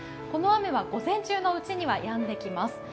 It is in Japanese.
この雨は午前中のうちにはやんできます。